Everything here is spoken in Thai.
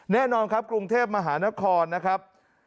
แน่นอนครับกรุงเทพมหานครนะครับ